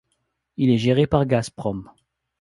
Il est géré par Gazprom.